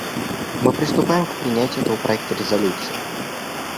Мы приступаем к принятию этого проекта резолюции.